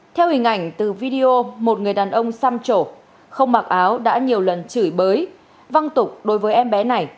theo hình ảnh từ video một người đàn ông xăm trổ không mặc áo đã nhiều lần chửi bới văng tục đối với em bé này